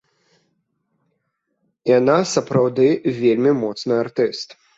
Яна сапраўды вельмі моцны артыст.